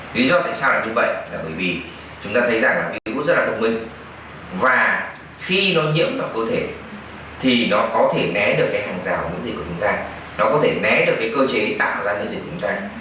lý do tại sao là như vậy là bởi vì chúng ta thấy rằng là virus rất là thông minh và khi nó nhiễm vào cơ thể thì nó có thể né được cái hàng rào những gì của chúng ta